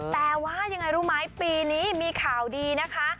แต่ว่ายังไงรู้ไหมปีนี้มีข่าวดีนะคะ